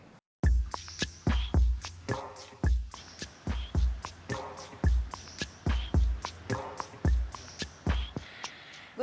gak ada apa apa ya